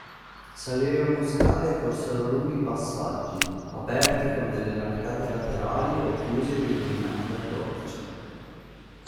Salirono scale e corsero lunghi passaggi, aperti con delle arcate laterali o chiusi ed illuminati da torce.